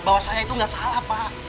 bahwa saya itu nggak salah pak